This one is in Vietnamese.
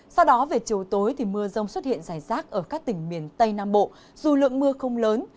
sau đó về chiều tối thì mưa rông xuất hiện rải rác ở các tỉnh miền tây nam bộ dù lượng mưa không lớn